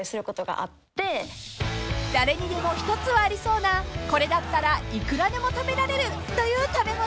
［誰にでも１つはありそうなこれだったらいくらでも食べられるという食べ物］